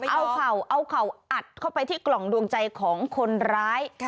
เอาเข่าเอาเข่าอัดเข้าไปที่กล่องดวงใจของคนร้าย